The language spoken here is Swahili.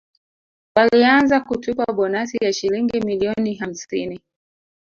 Walianza kutupa bonasi ya Shilingi milioni hamsini